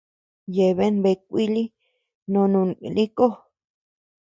Yeaben bea kuili nóó nun lï koó.